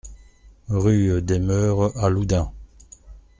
Rue des Meures à Loudun